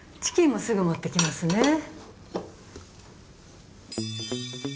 チキンもすぐ持ってきますね。